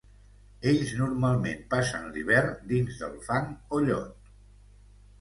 Ells normalment passen l'hivern dins del fang o llot.